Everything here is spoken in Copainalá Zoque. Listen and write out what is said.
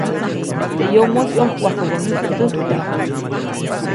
Teʼ yomoʼis ʼyojkwajkubäʼuŋde teʼ täjktaʼm.